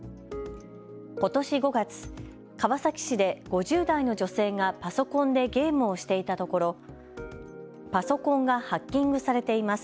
ことし５月、川崎市で５０代の女性がパソコンでゲームをしていたところパソコンがハッキングされています。